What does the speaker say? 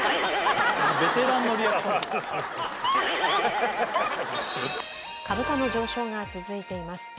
ハハハ株価の上昇が続いています